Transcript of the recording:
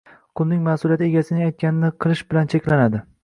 – qulning mas’uliyati egasining aytganini qilish bilan cheklanadi.